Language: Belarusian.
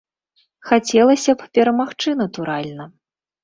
Хацелася б перамагчы, натуральна.